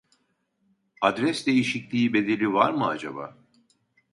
Adres değişikliği bedeli var mı acaba